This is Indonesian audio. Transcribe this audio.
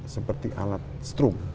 seperti alat strung